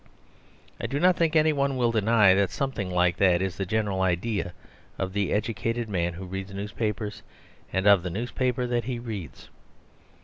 I do not think anyone will deny that something like that is the general idea of the educated man who reads a newspaper and of the newspaper that he reads.